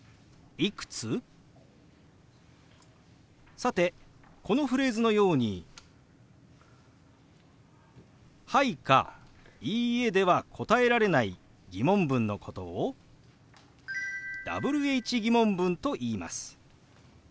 さてこのフレーズのように「はい」か「いいえ」では答えられない疑問文のことをＷｈー疑問文といいます。